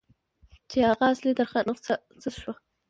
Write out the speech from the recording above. چې هغه اصلي ترکي نسخه څه شوه.